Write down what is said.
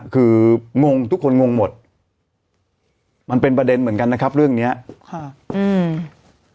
คืองงทุกคนงงหมดมันเป็นประเด็นเหมือนกันนะครับเรื่องเนี้ยค่ะอืม